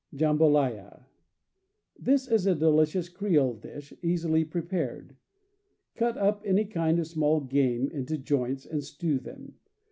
Jambolaya. — This is a delicious Creole dish, easily prepared. Cut up any kind of small game into joints, and stew them.